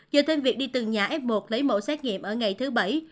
giờ thêm việc đi tầng nhà f một lấy mẫu xét nghiệm ở ngày thứ bảy